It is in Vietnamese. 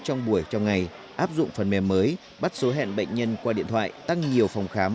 trong buổi trong ngày áp dụng phần mềm mới bắt số hẹn bệnh nhân qua điện thoại tăng nhiều phòng khám